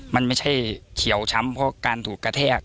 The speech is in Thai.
มันไม่ใช่เขียวช้ำเพราะการถูกกระแทก